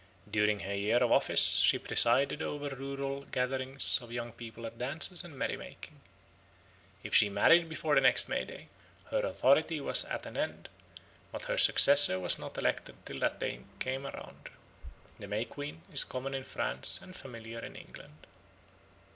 During her year of office she presided over rural gatherings of young people at dances and merry makings. If she married before next May Day, her authority was at an end, but her successor was not elected till that day came round. The May Queen is common In France and familiar in England.